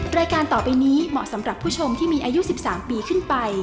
รายการต่อไปนี้เหมาะสำหรับผู้ชมที่มีอายุ๑๓ปีขึ้นไป